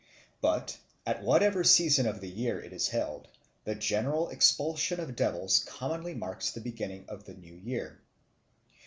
But, at whatever season of the year it is held, the general expulsion of devils commonly marks the beginning of the new year.